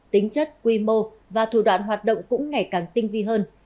tính chất quy mô và thủ đoạn hoạt động cũng ngày càng tinh vi hơn